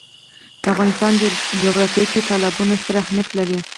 د افغانستان جغرافیه کې تالابونه ستر اهمیت لري.